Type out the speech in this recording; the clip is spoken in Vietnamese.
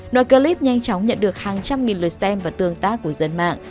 nói clip nhanh chóng nhận được hàng trăm nghìn lượt xem và tương tác của dân mạng